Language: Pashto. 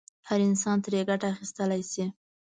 هر انسان ترې ګټه اخیستلای شي.